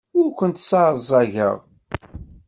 Ur kent-sseɛẓageɣ.